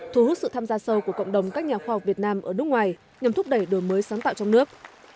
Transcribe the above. thu hút sự tham gia sâu của cộng đồng các nhà khoa học việt nam ở nước ngoài nhằm thúc đẩy đổi mới sáng tạo trong nước